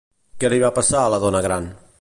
Què li va passar a la dona gran?